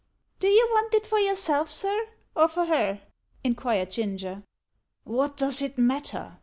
"Do you want it for yourself, sir, or for her?" inquired Ginger. "What does it matter?"